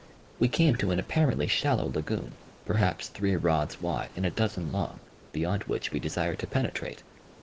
We came to an apparently shallow lagoon, perhaps three rods wide and a dozen long, beyond which we desired to penetrate.